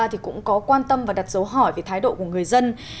thì cũng có quan tâm và đặt dấu hỏi về thái độ của người dân